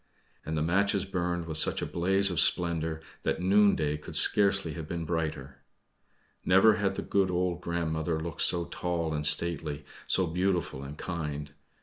And the matches burned with such a blaze of splendor, that noonday could scarcely have been brighter. Never had the good old grandmother looked so tall and stately, so beautiful and kind.